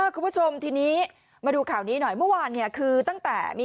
คุณผู้ชมทีนี้มาดูข่าวนี้หน่อยเมื่อวานเนี่ยคือตั้งแต่มี